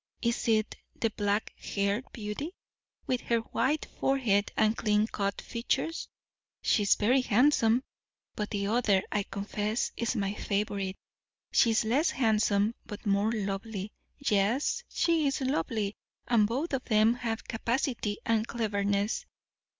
Is it the black haired beauty, with her white forehead and clean cut features? she is very handsome! But the other, I confess, is my favourite; she is less handsome, but more lovely. Yes, she is lovely; and both of them have capacity and cleverness.